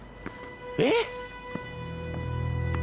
えっ！？